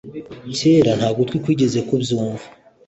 kr nta gutwi kwigeze kubyumva